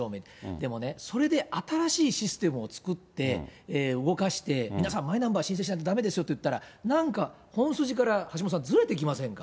でもね、それで新しいシステムを作って、動かして、皆さん、マイナンバー申請しないとだめですよっていったら、なんか本筋から橋下さん、ずれてきませんか？